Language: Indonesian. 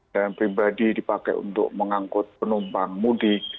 dan pribadi dipakai untuk mengangkut penumpang mudik